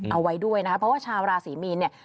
เอาไว้ด้วยนะคะเพราะว่าชาวราศีมีนเนี่ย